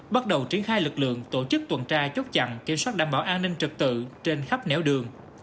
bắt đầu triển khai lực lượng tổ chức tuần tra chốt chặn kiểm soát đảm bảo an ninh trật tự trên khắp nẻo đường